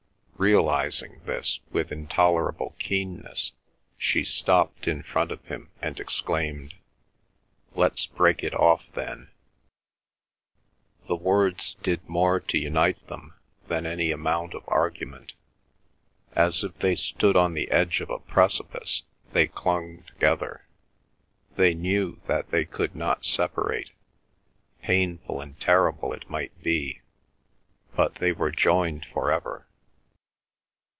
Realising this with intolerable keenness she stopped in front of him and exclaimed: "Let's break it off, then." The words did more to unite them than any amount of argument. As if they stood on the edge of a precipice they clung together. They knew that they could not separate; painful and terrible it might be, but they were joined for ever.